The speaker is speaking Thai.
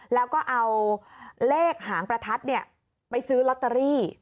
แล้วก็เอาเลขหางประทัดไปซื้อลอตเตอรี่